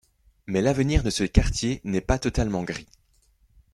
Mais l'avenir de ce quartier n'est pas totalement gris.